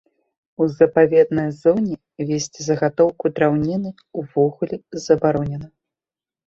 У запаведнай зоне весці загатоўку драўніны увогуле забаронена.